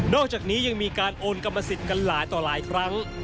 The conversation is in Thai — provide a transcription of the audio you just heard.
อกจากนี้ยังมีการโอนกรรมสิทธิ์กันหลายต่อหลายครั้ง